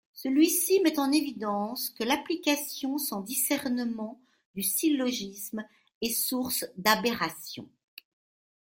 Celui-ci met en évidence que l'application sans discernement du syllogisme est source d'aberrations.